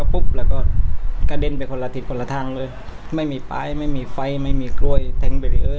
ปุ่มกอโมงไปอะไรไม่เห็นเลย